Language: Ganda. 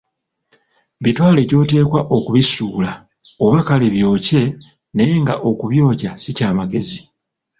Bitwale gy‘oteekwa okubisuula oba kale byokye naye nga okubyokya si kya magezi.